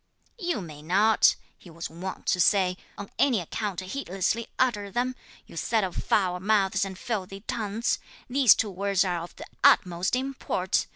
'You may not' (he was wont to say), 'on any account heedlessly utter them, you set of foul mouths and filthy tongues! these two words are of the utmost import!